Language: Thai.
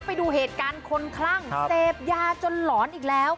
ไปดูเหตุการณ์คนคลั่งเสพยาจนหลอนอีกแล้ว